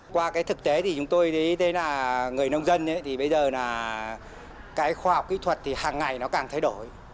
qua thực tế thì chúng tôi thấy là người nông dân bây giờ là khoa học kỹ thuật hàng ngày nó càng thay đổi